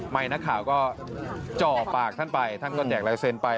นักข่าวก็จ่อปากท่านไปท่านก็แจกลายเซ็นต์ไป